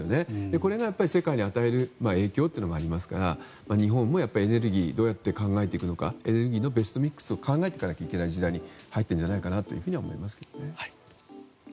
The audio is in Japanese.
これが世界に与える影響もありますから日本もエネルギーどうやって考えていくのかエネルギーのベストミックスを考えていかなきゃいけない時代に入っているんじゃないかなと思いますね。